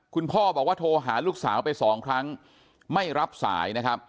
คุณพ่อบอกว่าโทรหาลูกสาวไปสองครั้งไม่รับสายนะครับ